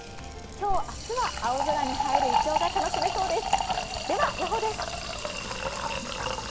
今日、明日は青空に映えるいちょうが楽しめそうです。